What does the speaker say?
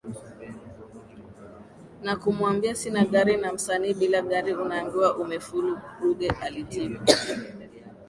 na kumwambia sina gari na msanii bila gari unaambiwa umefulia Ruge alijibu